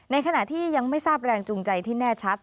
ในขณะที่ยังไม่ทราบแรงจูงใจที่แน่ชัด